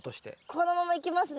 このままいきますね。